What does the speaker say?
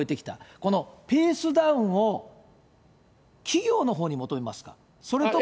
このペースダウンを企業のほうに求めますか、それとも？